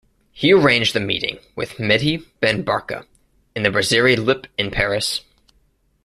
He arranged the meeting with Mehdi Ben Barka in the "Brasserie Lipp" in Paris.